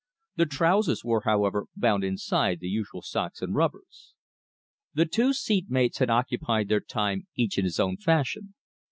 The trousers were, however, bound inside the usual socks and rubbers. The two seat mates had occupied their time each in his own fashion.